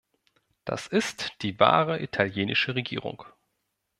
Das ist die wahre italienische Regierung.